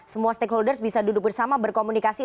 semua stakeholders bisa duduk bersama berkomunikasi